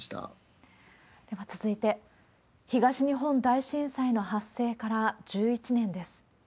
では続いて、東日本大震災の発生から１１年です。